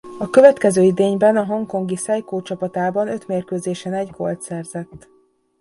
A következő idényben a hongkongi Seiko csapatában öt mérkőzésen egy gólt szerzett.